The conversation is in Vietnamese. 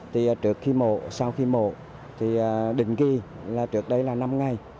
thì trước khi mổ sau khi mổ thì định kỳ là trước đây là năm ngày